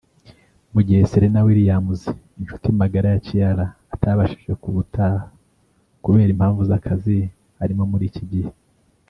mu gihe Serena Williams inshuti magara ya Ciara atabashije kubutaha kubera impamvu z’akazi arimo muri iki gihe